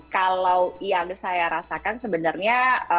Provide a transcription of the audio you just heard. kalau yang saya rasakan sebenarnya